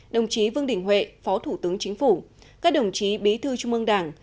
đồng chí vương đình huệ phó thủ tướng chính phủ các đồng chí bí thư trung ương đảng